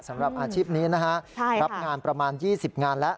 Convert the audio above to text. สำหรับอาชีพนี้นะฮะรับงานประมาณ๒๐งานแล้ว